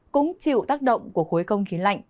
cũng chịu tác động của khối không khí lạnh